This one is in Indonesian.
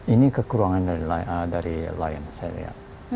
ini kekurangan dari lion saya